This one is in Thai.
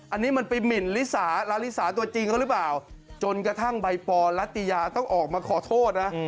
อันนี้มันไปหมินลิสาลาลิสาตัวจริงเขาหรือเปล่าจนกระทั่งใบปอลัตยาต้องออกมาขอโทษนะ